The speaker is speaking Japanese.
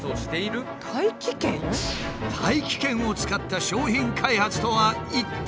大気圏を使った商品開発とは一体。